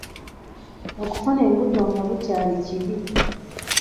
Okufuna embuto nga bukyali kibi.